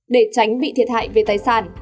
để tránh bị thiệt hại về tài sản